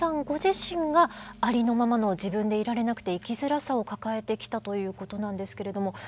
ご自身がありのままの自分でいられなくて生きづらさを抱えてきたということなんですけれども。